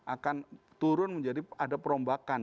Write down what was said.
akan turun menjadi ada perombakan